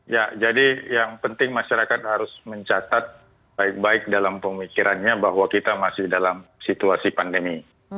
ya jadi yang penting masyarakat harus mencatat baik baik dalam pemikirannya bahwa kita masih dalam situasi pandemi